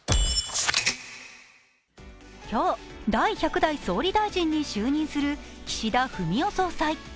今日、第１００代総理大臣に就任する岸田文雄総裁。